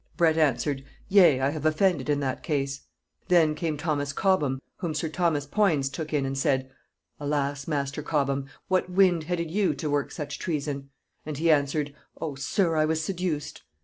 Bret answered, 'Yea, I have offended in that case.' Then came Thomas Cobham, whom sir Thomas Poins took in, and said; 'Alas, master Cobham, what wind headed you to work such treason?' And he answered, 'O sir! I was seduced.'